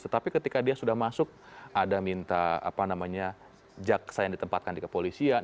tetapi ketika dia sudah masuk ada minta jaksa yang ditempatkan kepolisian